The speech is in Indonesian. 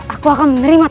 aku akan menerima tawaran